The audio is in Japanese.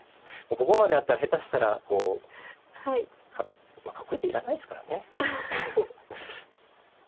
ここまであったら下手したらこうまあかっこいい手いらないですからね。